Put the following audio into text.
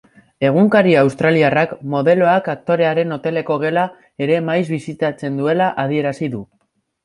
Egunkari australiarrak modeloak aktorearen hoteleko gela ere maiz bisitatzen duela adierazi du.